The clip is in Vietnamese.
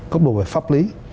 góc độ về pháp lý